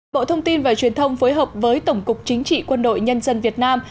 bộ thông tin và truyền thông phối hợp với tổng cục chính trị quân đội nhân dân việt nam